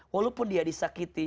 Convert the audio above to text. walaupun dia disakiti